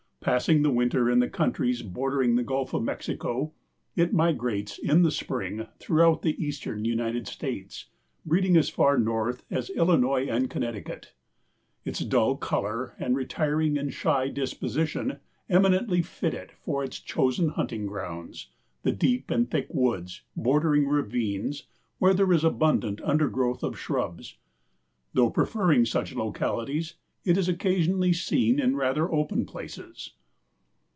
Passing the winter in the countries bordering the Gulf of Mexico, it migrates in the spring throughout the Eastern United States, breeding as far north as Illinois and Connecticut. Its dull color and retiring and shy disposition eminently fit it for its chosen hunting grounds—the deep and thick woods, bordering ravines, where there is an abundant undergrowth of shrubs. Though preferring such localities, it is occasionally seen in rather open places.